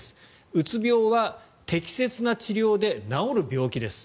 うつ病は適切な治療で治る病気です。